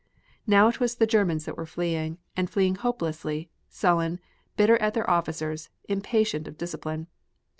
Now it was the Germans that were fleeing, and fleeing hopelessly, sullen, bitter at their officers, impatient of discipline.